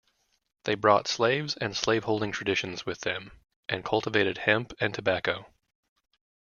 They brought slaves and slaveholding traditions with them, and cultivated hemp and tobacco.